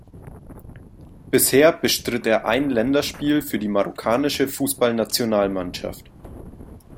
Bisher bestritt er ein Länderspiel für die marokkanische Fußballnationalmannschaft.